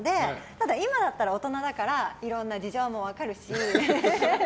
ただ、今だったら大人だからいろんな事情も分かるし。